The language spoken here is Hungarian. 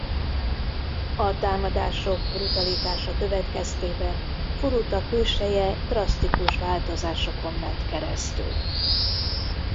A támadások brutalitása következtében Furuta külseje drasztikus változásokon ment keresztül.